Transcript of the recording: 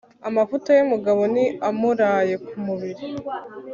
amavuta y'umugabo ni amuraye ku mubiri